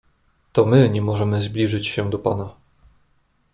"To my nie możemy zbliżyć się do pana."